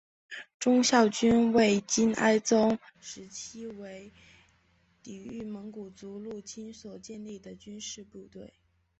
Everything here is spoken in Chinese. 忠孝军为金哀宗时期为抵御蒙古族入侵所建立的军事部队。